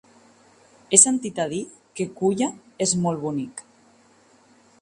He sentit a dir que Culla és molt bonic.